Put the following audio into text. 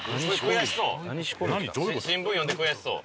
新聞読んで悔しそう。